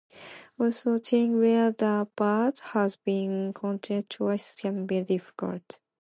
Also, telling whether a bird has been counted twice can be difficult.